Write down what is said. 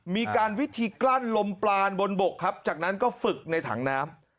มีการวิธีกลั้นลมปลานบนบกครับจากนั้นก็ฝึกในถังน้ำ